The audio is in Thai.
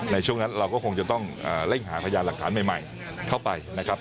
ในช่วงนั้นเราก็คงจะต้องเร่งหาพยานหลักฐานใหม่เข้าไปนะครับ